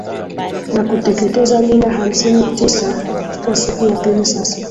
na kuteketeza nyumba hamsini tisa kwa siku ya pili sasa